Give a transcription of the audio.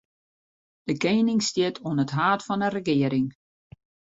De kening stiet oan it haad fan 'e regearing.